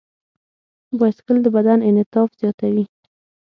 بایسکل د بدن انعطاف زیاتوي.